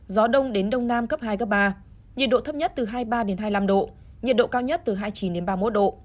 gió đông đến đông nam cấp hai cấp ba nhiệt độ thấp nhất từ hai mươi ba hai mươi năm độ nhiệt độ cao nhất từ hai mươi chín đến ba mươi một độ